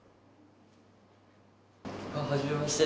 はじめまして。